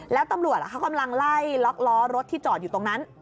แล้วตำรวจเขากำลังไล่ล็อกล้อรถที่จอดอยู่ตรงนั้น